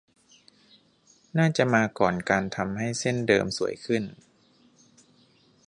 น่าจะมาก่อนการทำให้เส้นเดิมสวยขึ้น